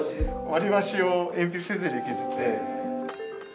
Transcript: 割り箸を鉛筆削りで削って。